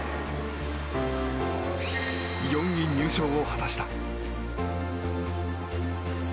４位入賞を果たした。